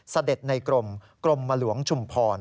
เสด็จในกรมกรมมะหลวงชุมพร